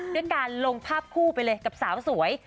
ด้วยการลงภาพคู่ไปเลยกับสาวสวย